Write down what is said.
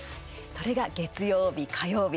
それが月曜日、火曜日。